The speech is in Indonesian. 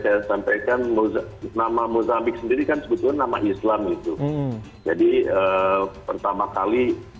saya sampaikan nama muzabik sendiri kan sebetulnya nama islam itu jadi pertama kali